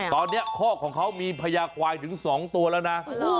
ตอนนี้คอกของเขามีพญาควายถึง๒ตัวแล้วนะ